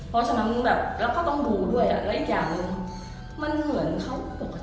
เพราะฉะนั้นก็ต้องดูด้วยอีกอย่างหนึ่งมันเหมือนเขาปกติหรือเปล่า